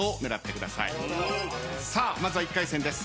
さあまずは１回戦です。